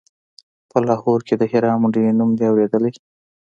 په لاهور کښې د هيرا منډيي نوم دې اورېدلى.